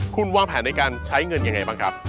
คุณวางแผนในการใช้เงินยังไงบ้างครับ